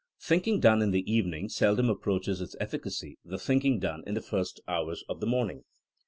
Thinking done in the evening seldom approaches in efficacy the thinking done in the first hours of the morning.